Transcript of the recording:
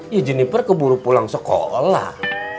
ya jennifer keburu pulang sekolah